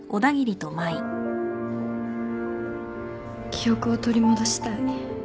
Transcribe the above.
記憶を取り戻したい。